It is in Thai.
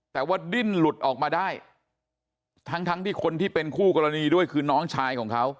แต่ว่าดิ้นหลุดออกมาได้ทั้งทั้งที่คนที่เป็นคู่กรณีด้วยคือน้องชายของเขา